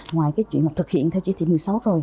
ngoài cái chuyện mà thực hiện theo chỉ thị một mươi sáu rồi